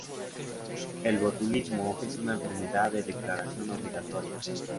El botulismo es una enfermedad de declaración obligatoria.